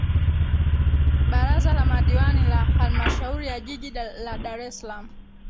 Baraza la Madiwani la Halmashauri ya Jiji la Dar es Salaam